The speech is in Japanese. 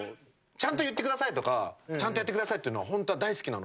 「ちゃんと言ってください」とか「ちゃんとやってください」っていうのは本当は大好きなの。